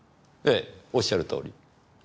ええおっしゃるとおり。